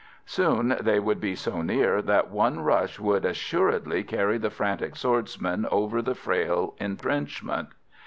Soon they would be so near that one rush would assuredly carry the frantic swordsmen over the frail entrenchment.